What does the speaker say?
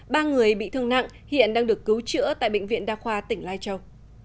ba người bị thương nặng hiện đang được cứu chữa tại bệnh viện đa khoa tỉnh lai châu